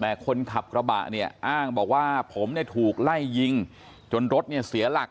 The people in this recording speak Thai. แต่คนขับกระบะอ้างบอกว่าผมถูกไล่ยิงจนรถเสียหลัก